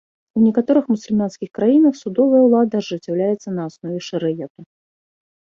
У некаторых мусульманскіх краінах судовая ўлада ажыццяўляецца на аснове шарыяту.